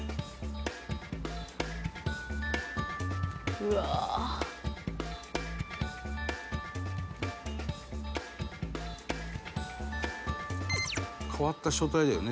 「うわあ」「変わった書体だよね